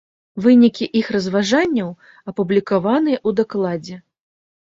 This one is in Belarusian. Вынікі іх разважанняў апублікаваныя ў дакладзе.